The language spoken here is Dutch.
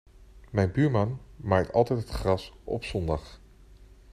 Mijn buurman maait altijd het gras op zondag.